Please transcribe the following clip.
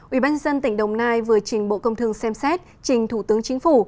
ubnd tỉnh đồng nai vừa trình bộ công thương xem xét trình thủ tướng chính phủ